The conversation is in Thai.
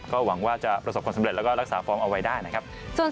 ก็หวังว่าจะประสบความสำเร็จแล้วก็รักษาฟอร์มเอาไว้ได้นะครับ